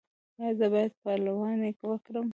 ایا زه باید پلوانی وکړم؟